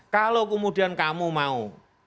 kalau kemudian kamu mau